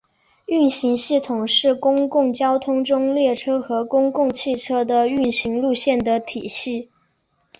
运行系统是公共交通中列车和公共汽车的运行路线的体系。